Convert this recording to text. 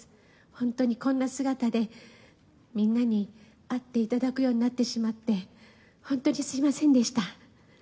本当にこんな姿でみんなに会っていただくようになってしまって、本当にすみませんでした。